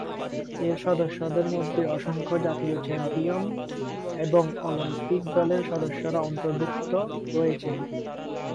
এর সদস্যদের মধ্যে অসংখ্য জাতীয় চ্যাম্পিয়ন এবং অলিম্পিক দলের সদস্যরা অন্তর্ভুক্ত রয়েছেন।